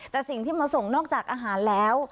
แต่สิ่งที่มาส่งนอกจากอาหารแล้ว